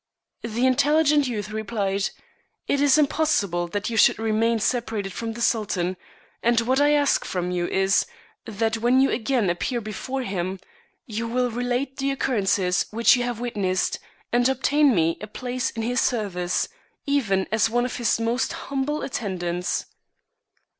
The intelligent youth replied, " It is im possible that you should remain separated from the Sultan; and what I ask from you is, that when you again appear before him, you will relate the occurrence which you have witnessed, and obtain me a place in his service, even as one of his most humble attendants."